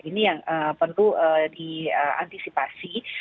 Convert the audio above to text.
ini yang perlu diantisipasi